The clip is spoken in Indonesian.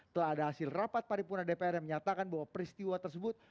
telah ada hasil rapat paripurna dpr yang menyatakan bahwa peristiwa tersebut